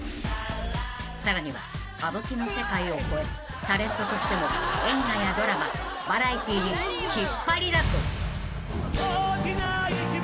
［さらには歌舞伎の世界を超えタレントとしても映画やドラマバラエティーに引っ張りだこ］